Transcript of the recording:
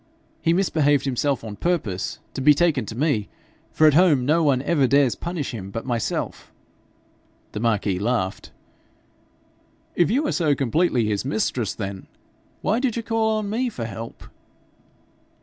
He misbehaved himself on purpose to be taken to me, for at home no one ever dares punish him but myself.' The marquis laughed. 'If you are so completely his mistress then, why did you call on me for help?'